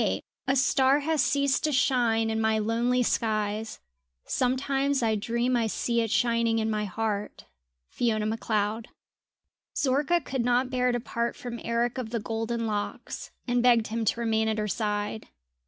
XXVIII A star has ceased to shine in my lonely skies, Sometimes I dream I see it shining in my heart. FIONA MACLEOD. Zorka could not bear to part from Eric of the golden locks, and begged him to remain at her side.